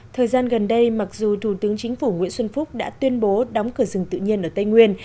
thời gian gần đây mặc dù thủ tướng chính phủ nguyễn xuân phúc đã tuyên bố đóng cửa rừng tự nhiên ở tây nguyên